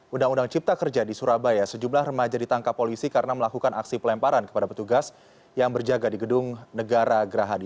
undang undang cipta kerja di surabaya sejumlah remaja ditangkap polisi karena melakukan aksi pelemparan kepada petugas yang berjaga di gedung negara gerahadi